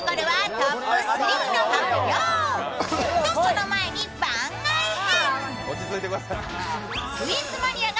と、その前に番外編。